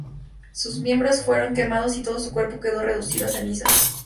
Sus miembros fueron quemados y todo su cuerpo quedó reducido a cenizas.